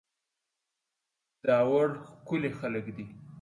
داوړ ښکلي خلک دي